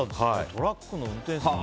トラックの運転手さん。